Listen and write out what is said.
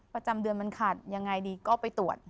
ประจำเดือนมันขาดยังไงดีก็ไปตรวจ